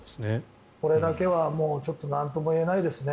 これだけはちょっとなんともいえないですね。